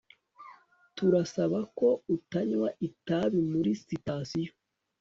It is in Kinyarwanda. Turasaba ko utanywa itabi muri sitasiyo